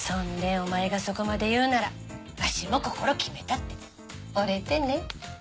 「お前がそこまで言うならわしも心決めた」って折れてね。